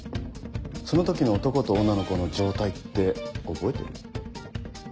その時の男と女の子の状態って覚えてる？